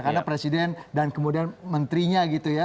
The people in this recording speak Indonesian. karena presiden dan kemudian menterinya gitu ya